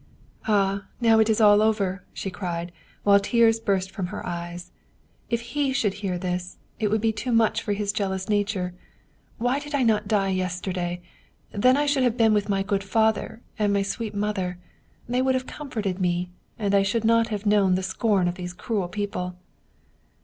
" Ah, now it is all over! " she cried, while tears burst from her eyes. " If he should hear this, it would be too much for his jealous na ture. Why did I not die yesterday? Then I should have been with my good father and my sweet mother they would have comforted me, and I should not have known the scorn of these cruel people